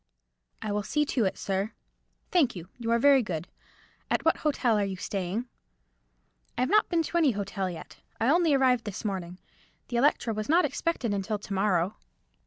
"I will see to it, sir." "Thank you; you are very good. At what hotel are you staying?" "I have not been to any hotel yet. I only arrived this morning. The Electra was not expected until to morrow."